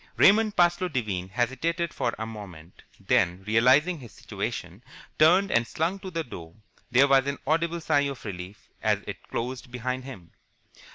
Raymond Parsloe Devine hesitated for a moment, then, realizing his situation, turned and slunk to the door. There was an audible sigh of relief as it closed behind him.